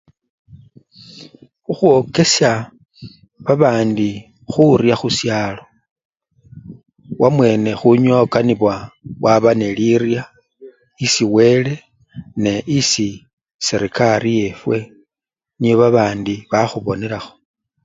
Khukhwokesya babandi khurya khusyalo, wamwene khunyowa okanibwa waba nelirya esi wele ne esi serekari yefwe niobabandi bakhubonelakho.